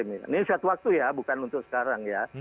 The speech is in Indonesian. ini suatu waktu ya bukan untuk sekarang ya